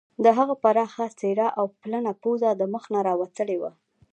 د هغه پراخه څیره او پلنه پوزه مخ ته راوتلې وه